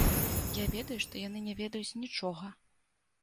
Я ведаю, што яны не ведаюць нічога.